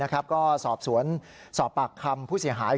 ก็สอบปากคำผู้เสียหาย